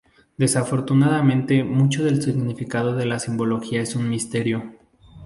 Desafortunadamente mucho del significado de la simbología es un misterio.